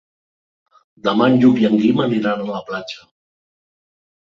Demà en Lluc i en Guim aniran a la platja.